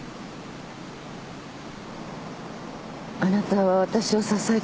あなたは私を支えてくれたわ。